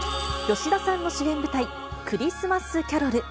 吉田さんの主演舞台、クリスマス・キャロル。